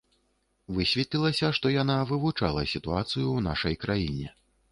Высветлілася, што яна вывучала сітуацыю ў нашай краіне.